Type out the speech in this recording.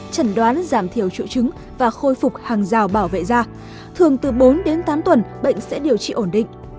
chẩn đoán giảm thiểu triệu chứng và khôi phục hàng rào bảo vệ da thường từ bốn đến tám tuần bệnh sẽ điều trị ổn định